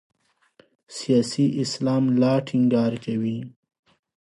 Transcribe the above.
سیاسي اسلام لا ټینګار کوي.